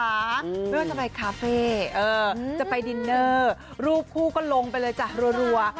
ไม่ว่าจะไปคาเฟ่จะไปดินเนอร์รูปคู่ก็ลงไปเลยจ้ะรัว